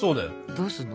どうすんの？